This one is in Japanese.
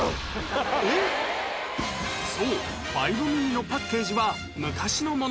そうファイブミニのパッケージは昔のもの